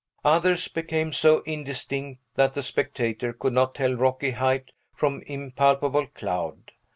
Others became so indistinct, that the spectator could not tell rocky height from impalpable cloud.